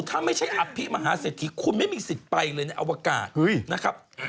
ถ้าไม่ใช่อภิมหาเศรษฐีคุณไม่มีสิทธิ์ไปเลยในอวกาศนะครับ